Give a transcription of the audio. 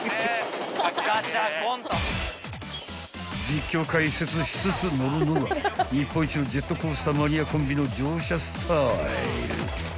［実況解説しつつ乗るのが日本一のジェットコースターマニアコンビの乗車スタイル］